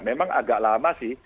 memang agak lama sih